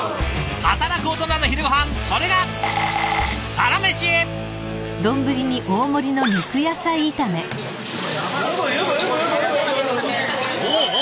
働くオトナの昼ごはんそれがおおお！